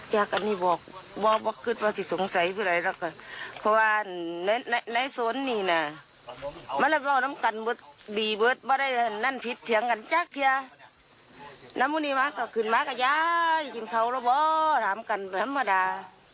อย่างเขาแล้วว้าวทำกันประมาณธรรมดา